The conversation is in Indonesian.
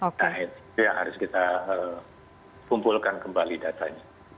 nah itu yang harus kita kumpulkan kembali datanya